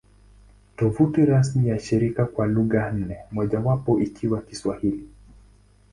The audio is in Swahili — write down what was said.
Tovuti rasmi ya shirika kwa lugha nne, mojawapo ikiwa Kiswahili